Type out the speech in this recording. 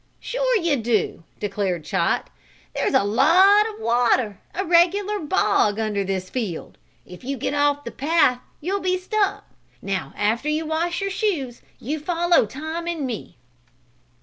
"Sure you do," declared Chot. "There's a lot of water, a regular bog, under this field. If you get off the path you'll be stuck. Now after you wash your shoes you follow Tom and me."